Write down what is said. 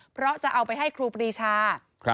เพราะจะเอาไปให้ครูปรีชา